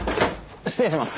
失礼します。